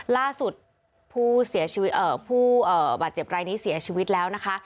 ล่าสุดผู้บาดเจ็บรายนี้เสียชีวิตแล้วนะคะ